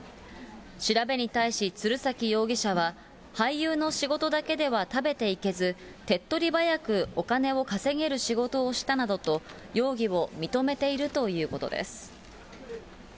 調べに対し、鶴崎容疑者は、俳優の仕事だけでは食べていけず、手っ取り早くお金を稼げる仕事をしたなどと、容疑を認めているということです。